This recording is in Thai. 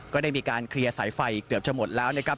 ก็ได้มีการเคลียร์สายไฟเกือบจะหมดแล้วนะครับ